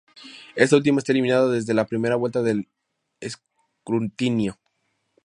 Esta última está eliminada desde la primera vuelta del escrutinio.